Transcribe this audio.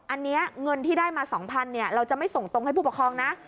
อันนี้เงินที่ได้มา๒๐๐บาทเราจะไม่ส่งตรงให้ผู้ปกครองนะ